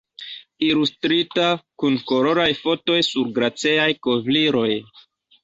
Ilustrita, kun koloraj fotoj sur glaceaj kovriloj.